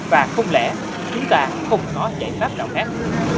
và không lẽ chúng ta không có giải pháp nào khác